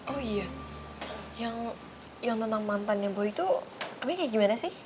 oh iya yang yang tentang mantannya boy tuh amin kayak gimana sih